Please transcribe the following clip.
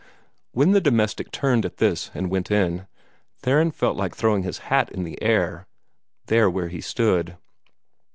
When the domestic turned at this and went in, Theron felt like throwing his hat in the air, there where he stood.